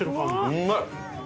うまい！